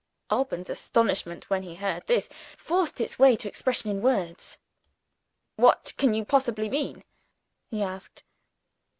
Alban's astonishment, when he heard this, forced its way to expression in words. "What can you possibly mean?" he asked.